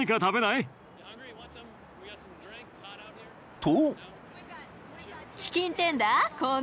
［と］